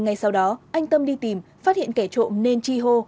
ngay sau đó anh tâm đi tìm phát hiện kẻ trộm nên chi hô